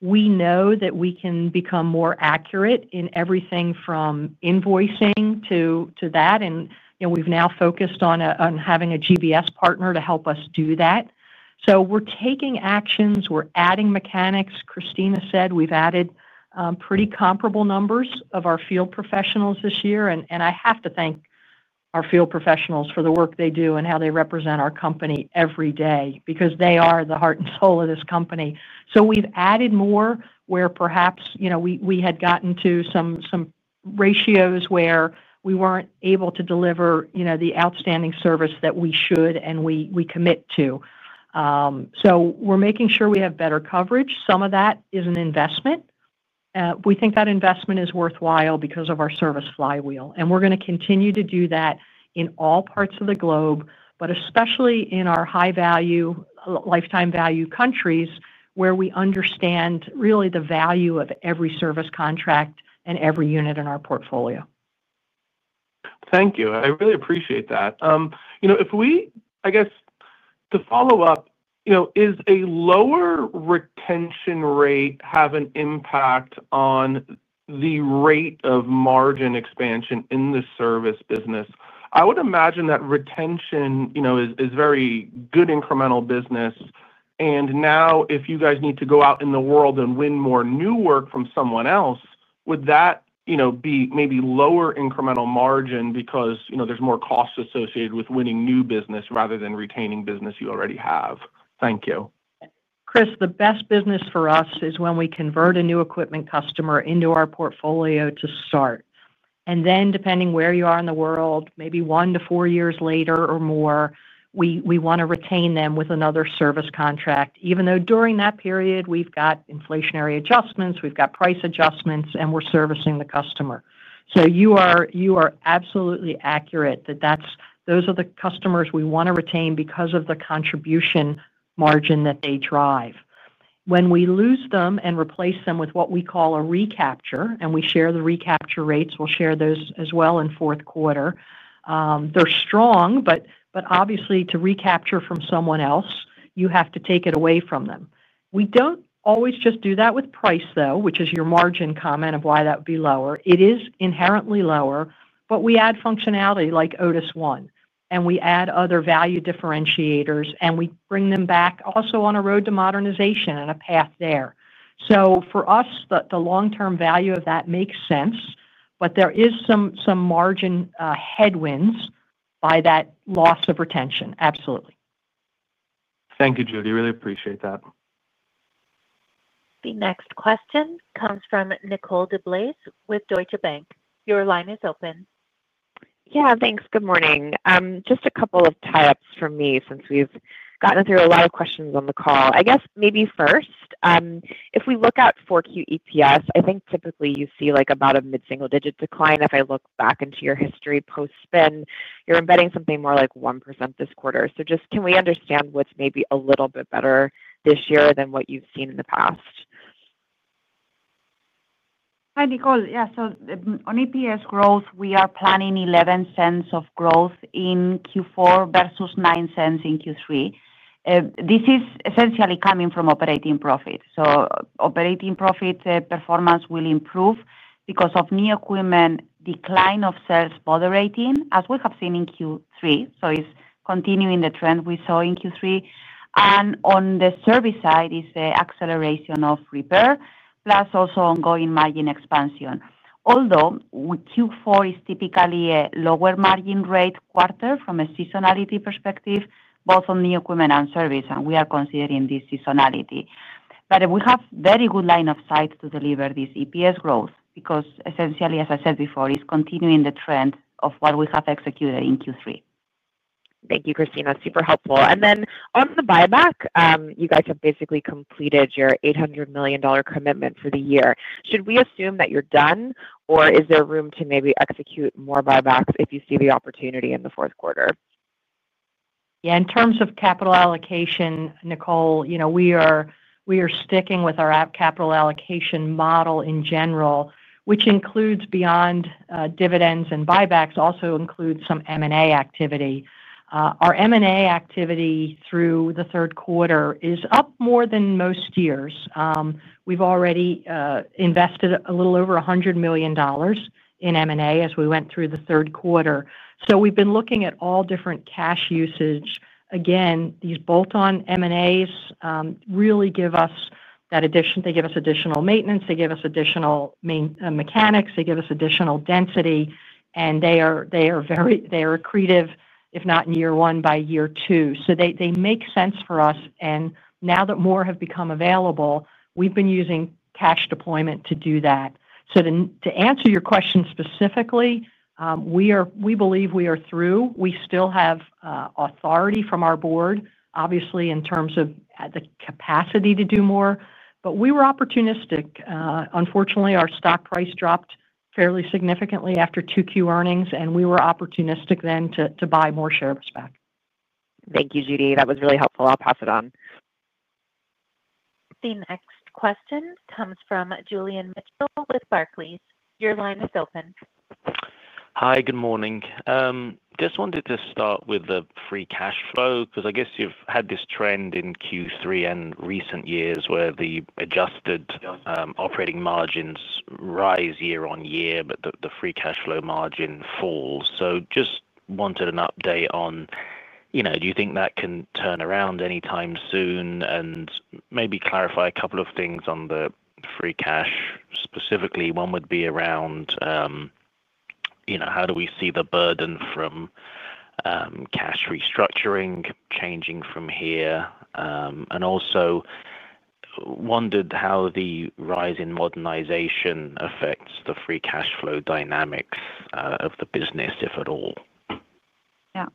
We know that we can become more accurate in everything from invoicing to that. We've now focused on having a GBS partner to help us do that. We're taking actions, we're adding mechanics. Cristina Méndez said we've added pretty comparable numbers of our field professionals this year. I have to thank our field professionals for the work they do and how they represent our company every day because they are the heart and soul of this company. We've added more where perhaps we had gotten to some ratios where we weren't able to deliver the outstanding service that we should and we commit to. We're making sure we have better coverage. Some of that is an investment. We think that investment is worthwhile because of our service flywheel. We're going to continue to do that in all parts of the globe, especially in our high value, lifetime value countries where we understand really the value of every service contract and every unit in our portfolio. Thank you. I really appreciate that. If we, I guess to follow up, does a lower retention rate have an impact on the rate of margin expansion in the service business? I would imagine that retention is very good incremental business. If you guys need to go out in the world and win more new work from someone else, would that be maybe lower incremental margin because there's more costs associated with winning new business rather than retaining business you already have? Thank you, Chris. The best business for us is when we convert a new equipment customer into our portfolio to start, and then depending where you are in the world, maybe one to four years later or more, we want to retain them with another service contract. Even though during that period we've got inflationary adjustments, we've got price adjustments, and we're servicing the customer. You are absolutely accurate that those are the customers we want to retain because of the contribution margin that they drive. When we lose them and replace them with what we call a recapture, and we share the recapture rates, we'll share those as well in fourth quarter. They're strong, but obviously to recapture from someone else you have to take it away from them. We don't always just do that with price, though, which is your margin comment of why that would be lower. It is inherently lower, but we add functionality like Otis1, and we add other value differentiators, and we bring them back also on a road to modernization and a path there. For us, the long term value of that makes sense, but there is some margin headwinds by that loss of retention. Absolutely. Thank you, Judy, really appreciate that. The next question comes from Nicole Deblase with Deutsche Bank. Your line is open. Yeah, thanks. Good morning. Just a couple of tie ups from me since we've gotten through a lot of questions on the call. I guess maybe first if we look at 4Q EPS, I think typically you see like about a mid single digit decline. If I look back into your history post spin, you're embedding something more like 1% this quarter. Just can we understand what's maybe a little bit better this year than what you've seen in the past? Hi Nicole. Yeah, so on EPS growth we are planning $0.11 of growth in Q4 versus $0.09 in Q3. This is essentially coming from operating profit. Operating profit performance will improve because of new equipment decline of sales moderating as we have seen in Q3. It's continuing the trend we saw in Q3 and on the service side is the acceleration of repair plus also ongoing margin expansion. Although Q4 is typically a lower margin rate quarter from a seasonality perspective both on the equipment and service and we are considering this seasonality. We have very good line of sight to deliver this EPS growth because essentially as I said before, it's continuing the trend of what we have executed in Q3. Thank you, Cristina, that's super helpful. And then on the buyback, you guys have basically completed your $800 million commitment for the year. Should we assume that you're done or is there room to maybe execute more buybacks if you see the opportunity in the fourth quarter? Yeah. In terms of capital allocation, Nicole, you know, we are sticking with our capital allocation model in general, which includes, beyond dividends and buybacks, also some M&A activity. Our M&A activity through the third quarter is up more than most years. We've already invested a little over $100 million in M&A as we went through the third quarter. We've been looking at all different cash usage. These bolt-on M&As really give us that addition. They give us additional maintenance, they give us additional mechanics, they give us additional density, and they are accretive, if not in year one, by year two. They make sense for us. Now that more have become available, we've been using cash deployment to do that. To answer your question specifically, we believe we are through. We still have authority from our board, obviously, in terms of the capacity to do more. We were opportunistic. Unfortunately, our stock price dropped fairly significantly after 2Q earnings, and we were opportunistic then to buy more shares back. Thank you, Judy. That was really helpful. I'll pass it on. The next question comes from Julian Mitchell with Barclays. Your line is open. Hi, good morning. Just wanted to start with the free cash flow because I guess you've had this trend in Q3 and recent years where the adjusted operating margins rise year on year, but the free cash flow margin fall. Just wanted an update on, you know, do you think that can turn around anytime soon and maybe clarify a couple of things on the free cash? Specifically, one would be around, you know, how do we see the burden from cash restructuring changing from here? Also wondered how the rise in modernization affects the free cash flow dynamics of the business, if at all. Yeah,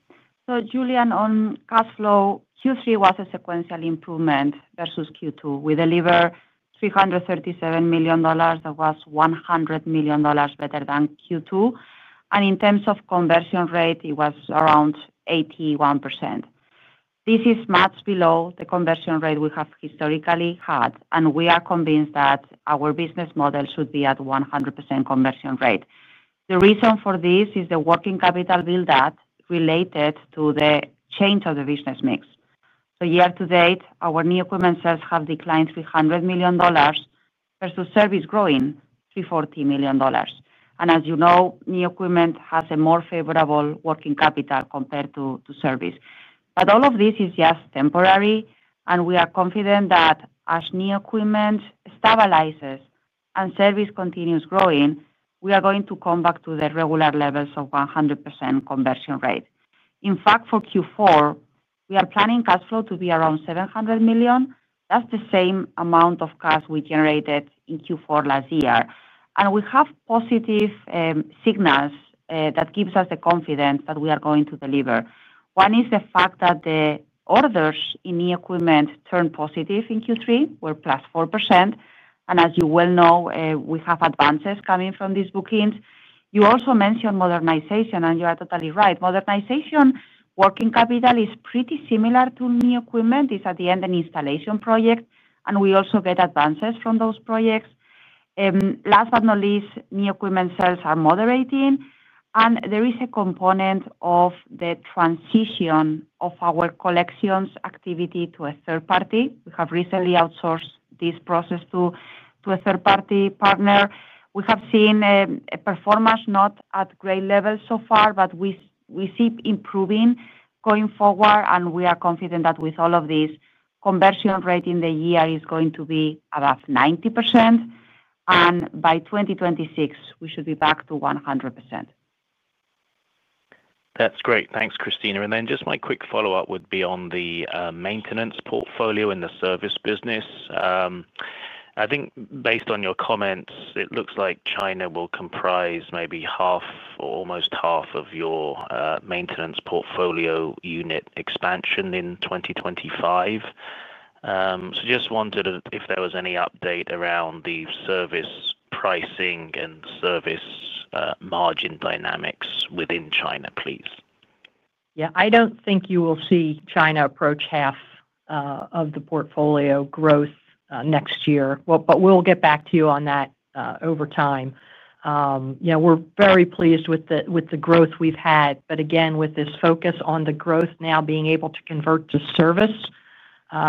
so Julian, on cash flow, Q3 was a sequential improvement versus Q2. We delivered $337 million. That was $100 million better than Q2. In terms of conversion rate, it was around 81%. This is much below the conversion rate we have historically had. We are convinced that our business model should be at 100% conversion rate. The reason for this is the working capital buildup related to the change of the business mix. Year to date, our new equipment sales have declined $300 million versus service growing $340 million. As you know, new equipment has a more favorable working capital compared to service. All of this is just temporary. We are confident that as new equipment stabilizes and service continues growing, we are going to come back to the regular levels of 100% conversion rate. In fact, for Q4, we are planning cash flow to be around $700 million. That's the same amount of cash we generated in Q4 last year. We have positive signals that give us the confidence that we are going to deliver. One is the fact that the orders in new equipment turned positive in Q3, were plus 4%. As you well know, we have advances coming from these bookings. You also mentioned modernization, and you are totally right. Modernization working capital is pretty similar to new equipment. It's at the end an installation project, and we also get advances from those projects. Last but not least, new equipment sales are moderating, and there is a component of the transition of our collections activity to a third party. We have recently outsourced this process to a third party partner. We have seen a performance not at great levels so far, but we see improving going forward. We are confident that with all of these, conversion rate in the year is going to be above 90%, and by 2026 we should be back to 100%. That's great. Thanks, Cristina. My quick follow up would be on the maintenance portfolio in the service business. I think based on your comments, it looks like China will comprise maybe half or almost half of your maintenance portfolio unit expansion in 2025. I just wondered if there was any update around the service pricing and service margin dynamics within China, please. Yeah, I don't think you will see China approach half of the portfolio growth next year, but we'll get back to you on that over time. We're very pleased with the growth we've had. Again, with this focus on the growth now being able to convert to service,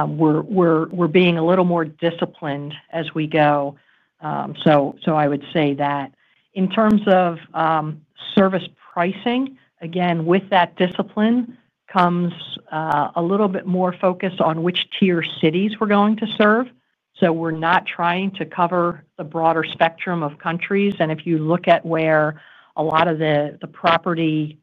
we're being a little more disciplined as we go. I would say that in terms of service pricing, again with that discipline comes a little bit more focus on which tier cities we're going to serve. We're not trying to cover the broader spectrum of countries. If you look at where a lot of the property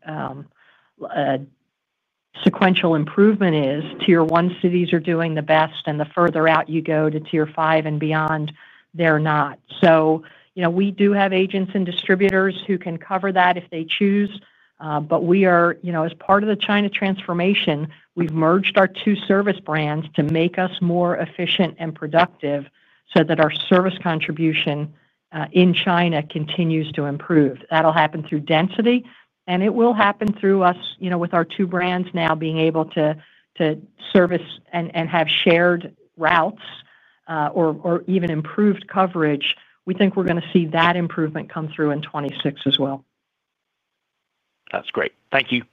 sequential improvement is, tier one cities are doing the best. The further out you go to tier five and beyond, they're not. We do have agents and distributors who can cover that if they choose. As part of the China transformation, we've merged our two service brands to make us more efficient and productive so that our service contribution in China continues to improve. That'll happen through density and it will happen through us. With our two brands now being able to service and have shared routes or even improved coverage, we think we're going to see that improvement come through in 2026 as well. That's great. Thank you.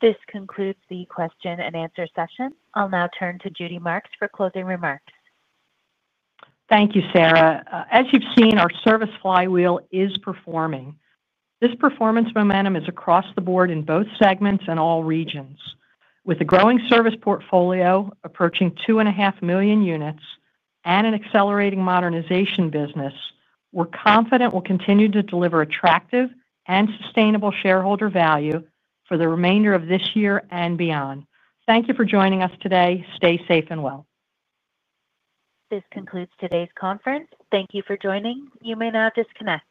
This concludes the question and answer session. I'll now turn to Judy Marks for closing remarks. Thank you, Sarah. As you've seen, our service flywheel is performing. This performance momentum is across the board in both segments and all regions. With a growing service portfolio approaching 2.5 million units and an accelerating modernization business, we're confident we'll continue to deliver attractive and sustainable shareholder value for the remainder of this year and beyond. Thank you for joining us today. Stay safe and well. This concludes today's conference. Thank you for joining. You may now disconnect.